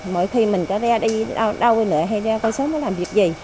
mỗi khi mình có ra đi đâu hay nữa hay ra con sớm nó làm việc gì